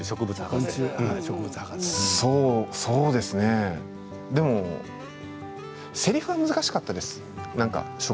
そうですね、でもせりふは難しかったです。